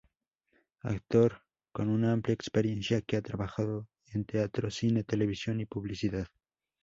Actor con una amplia experiencia que ha trabajado en teatro, cine, televisión y publicidad.